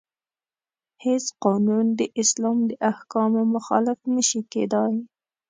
هیڅ قانون د اسلام د احکامو مخالف نشي کیدای.